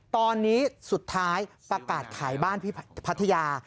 ตอนนี้สุดท้ายประกาศขายบ้านที่พัทยา